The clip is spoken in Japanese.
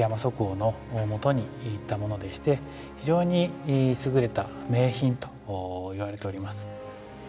翁のもとにいったものでして非常に優れた名品といわれています。